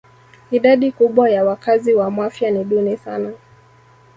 Idadi kubwa ya wakazi wa Mafia ni duni sana